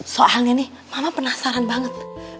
soalnya nih mama penasaran banget